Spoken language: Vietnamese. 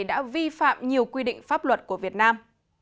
đã vi phạm nhiều quy định pháp luật của việt nam